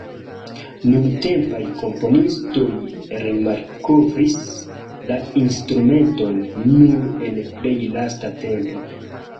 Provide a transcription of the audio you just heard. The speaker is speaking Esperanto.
Nuntempaj komponistoj remalkovris la instrumenton nur en plej lasta tempo.